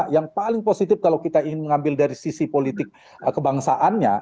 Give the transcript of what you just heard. yang paling positif kalau kita ingin mengambil dari sisi politik kebangsaannya